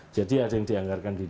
jadi ada yang dianggarkan di